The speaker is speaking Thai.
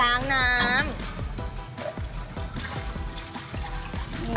ล้างน้ำ